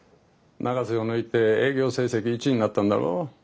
永瀬を抜いて営業成績１位になったんだろう。